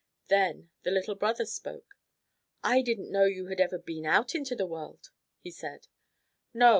Then the little brother spoke. "I didn't know you had ever been out into the world," he said.